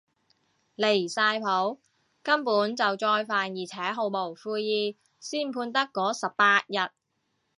離晒譜，根本就再犯而且毫無悔意，先判得嗰十八日